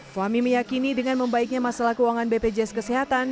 fahmi meyakini dengan membaiknya masalah keuangan bpjs kesehatan